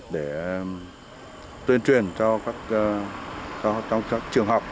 để tuyên truyền cho các trường học